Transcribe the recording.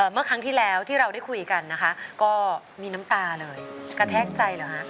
เมื่อครั้งที่แล้วที่เราได้คุยกันนะคะก็มีน้ำตาเลยกระแทกใจเหรอฮะ